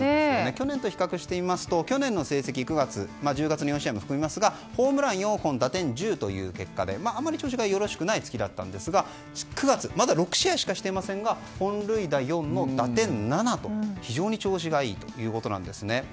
去年と比較してみますと去年の成績９月は１０月の４試合も含みますがホームラン４本打点１０という結果であまり調子がよろしくない月だったんですが９月まだ６試合しかしていませんが本塁打４の打点７と非常に調子がいいということです。